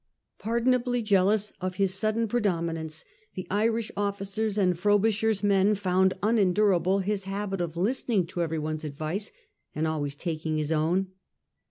Pardonably jealous of his sudden predominance, the Irish officers and Frobisher's men found unendurable his habit of listening to every one's advice and always taking his own.